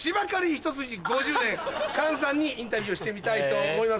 菅さんにインタビューしてみたいと思います。